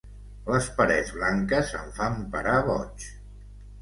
Les parets blanques em fan parar boig.